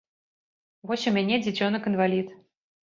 Вось у мяне дзіцёнак-інвалід.